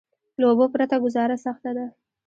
له اوبو پرته ګذاره سخته ده.